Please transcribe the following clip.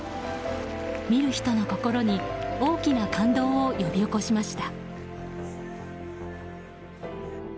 見る人の心に大きな感動を呼び起こしました。